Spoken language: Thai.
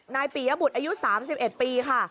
ปียบุตรอายุ๓๑ปีค่ะ